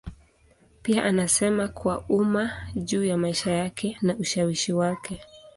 Pia anasema kwa umma juu ya maisha yake na ushawishi wake.